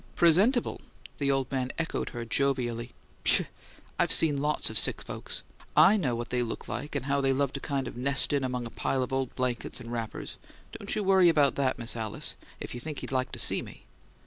"'Presentable?'" The old man echoed her jovially. "Pshaw! I've seen lots of sick folks. I know what they look like and how they love to kind of nest in among a pile of old blankets and wrappers. Don't you worry about THAT, Miss Alice, if you think he'd like to see me."